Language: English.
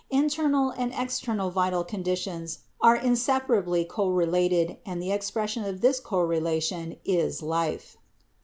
Internal and external vital conditions are in separably correlated and the expression of this correlation is life.